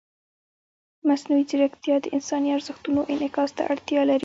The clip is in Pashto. مصنوعي ځیرکتیا د انساني ارزښتونو انعکاس ته اړتیا لري.